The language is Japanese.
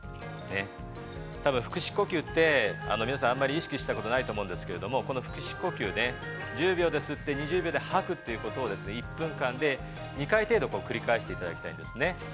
多分、腹式呼吸って、皆さんあんまり意識したことがないと思うんですけれども腹式呼吸ね、１０秒で吸って２０秒で吐くということを２回程度繰り返していただきたいんですね。